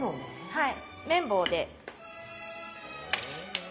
はい。